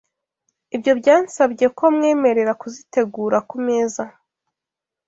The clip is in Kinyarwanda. ibyo byansabye ko mwemerera kuzitegura ku meza....